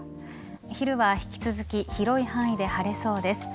昼は引き続き広い範囲で晴れそうです。